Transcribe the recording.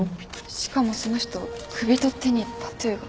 しかもその人首と手にタトゥーが。